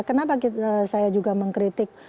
kenapa saya juga mengkritik